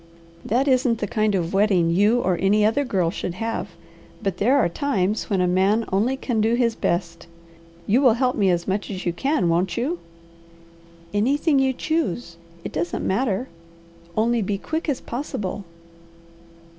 That isn't the kind of wedding you or any other girl should have, but there are times when a man only can do his best. You will help me as much as you can, won't you?" "Anything you choose. It doesn't matter only be quick as possible."